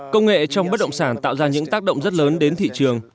công nghệ trong bất động sản tạo ra những tác động rất lớn đến thị trường